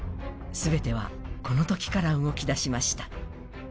全ては、このときから動き出しました。